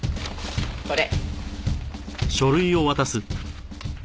これ。